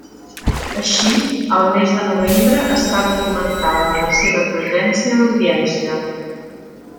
Així, el mes de novembre està documentada la seva presència a l'Audiència.